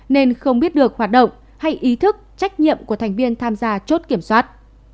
nên không biết được hoạt động hay ý thức trách nhiệm của thành viên tham gia chốt kiểm soát